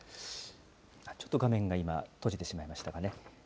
ちょっと画面が今、閉じてしまいましたかね。